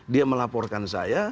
dia melaporkan saya